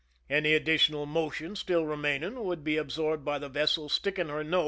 Any additional motion still remaining would be absorbed by the vessel sticking her nose into the ^~Sk.